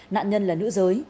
nạn nhân là nữ giới